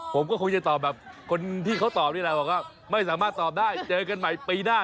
ผมก็คงจะตอบแบบคนที่เขาตอบนี่แหละบอกว่าไม่สามารถตอบได้เจอกันใหม่ปีหน้า